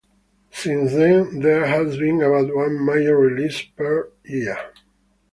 Since then, there has been about one major release per year.